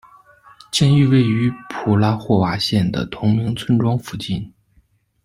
监狱位于普拉霍瓦县的同名村庄附近。